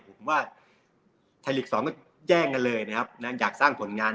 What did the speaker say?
ผมว่าหลักสองแจ้งกันเลยนะครับนะฮะอยากสร้างผลงาน